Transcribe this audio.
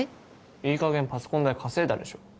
いいかげんパソコン代稼いだでしょ